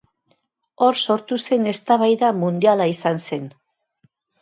Hor sortu zen eztabaida mundiala izan zen.